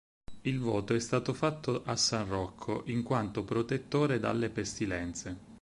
Il voto è stato fatto a san Rocco in quanto protettore dalle pestilenze.